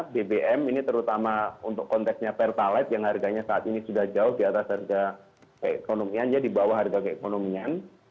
bbm ini terutama untuk konteksnya pertalite yang harganya saat ini sudah jauh di atas harga keekonomian ya di bawah harga keekonomian